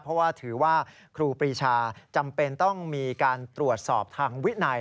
เพราะว่าถือว่าครูปรีชาจำเป็นต้องมีการตรวจสอบทางวินัย